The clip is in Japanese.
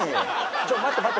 ちょ待って待って。